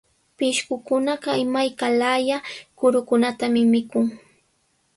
Pishqukunaqa imayka laaya kurukunatami mikun.